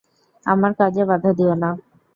আমার কাজে বাধা দিওনা।